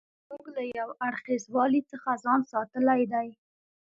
موږ له یو اړخیزوالي څخه ځان ساتلی دی.